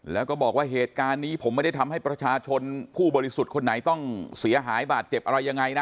แล้วก็บอกว่าเหตุการณ์นี้ผมไม่ได้ทำให้ประชาชนผู้บริสุทธิ์คนไหนต้องเสียหายบาดเจ็บอะไรยังไงนะ